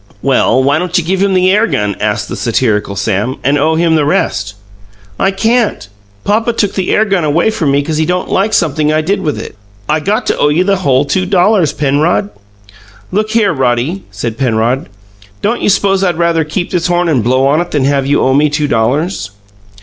"Well, why don't you give him the air gun," asked the satirical Sam, "and owe him the rest?" "I can't. Papa took the air gun away from me because he didn't like sumpthing I did with it. I got to owe you the whole two dollars, Penrod." "Look here, Roddy," said Penrod. "Don't you s'pose I'd rather keep this horn and blow on it than have you owe me two dollars?"